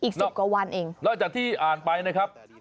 สิบกว่าวันเองนอกจากที่อ่านไปนะครับ